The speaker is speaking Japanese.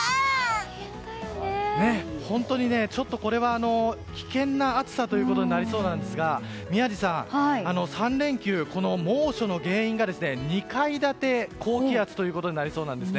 本当に、ちょっとこれは危険な暑さとなりそうなんですが宮司さん、３連休の猛暑の原因が２階建て高気圧ということになりそうなんですね。